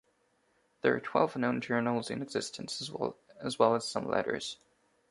There are twelve known journals in existence as well as some letters.